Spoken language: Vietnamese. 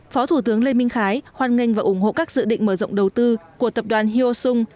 phó thủ tướng lê minh khái hoan nghênh và ủng hộ các dự định mở rộng đầu tư của tập đoàn hyo sung